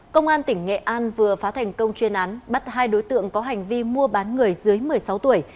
công an tỉnh nghệ an vừa phá thành công chuyên án bắt hai đối tượng có hành vi mua bán người dưới một mươi sáu tuổi